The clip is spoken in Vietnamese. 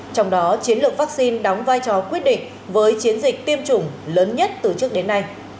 trong đó chiến lược vaccine đóng vai trò quyết định với chiến dịch tiêm chủng lớn nhất từ trước đến nay